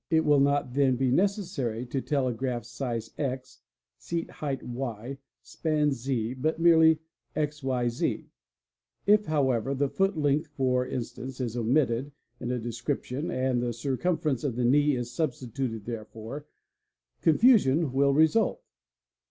It will not then be necessary to telegraph Size X, Seat height Y, Span Z, but merely X,Y,Z. If, however, the foot length for instance is omitted in a description and the circumference of the knee is substituted therefor, confusion will result.